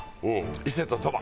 伊勢と鳥羽。